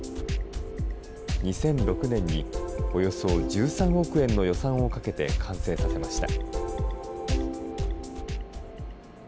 ２００６年におよそ１３億円の予算をかけて完成させました。